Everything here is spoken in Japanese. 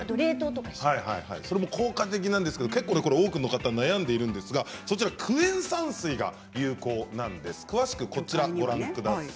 それも効果的なんですが結構多くの方悩んでいるんですがそちらにはクエン酸水が有効なんです。